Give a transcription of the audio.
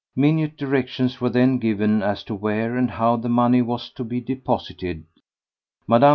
Minute directions were then given as to where and how the money was to be deposited. Mme.